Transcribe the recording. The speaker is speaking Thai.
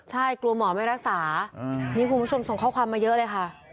ใช่กลัวหมอไม่รักษานี่คุณผู้ชมส่งข้อความมาเยอะเลยค่ะ